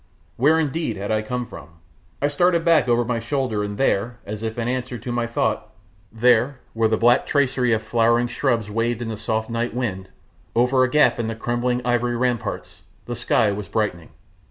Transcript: Where indeed had I come from? I stared back over my shoulder, and there, as if in answer to my thought there, where the black tracery of flowering shrubs waved in the soft night wind, over a gap in the crumbling ivory ramparts, the sky was brightening.